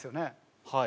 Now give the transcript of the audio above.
はい。